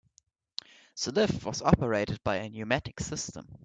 The lift was operated by a pneumatic system.